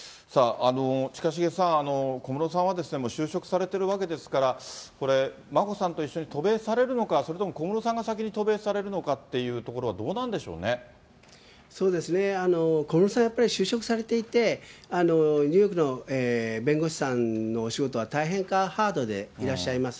近重さん、小室さんは就職されてるわけですから、これ、眞子さんと一緒に渡米されるのか、それとも小室さんが先に渡米されるのかっていうところは、どうな小室さん、やっぱり就職されていて、ニューヨークの弁護士さんのお仕事が大変ハードでいらっしゃいます。